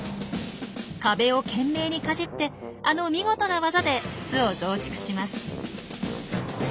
壁を懸命にかじってあの見事な技で巣を増築します。